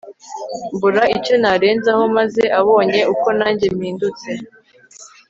mbura icyo narenzaho maze abonye uko nanjye mpindutse